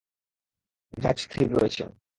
জাহাজ স্থির রয়েছে।